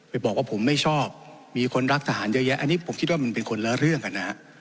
บอกว่าผมไม่ชอบมีคนรักทหารเยอะแยะอันนี้ผมคิดว่ามันเป็นคนละเรื่องกันนะฮะ